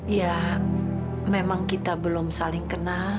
ya memang kita belum saling kenal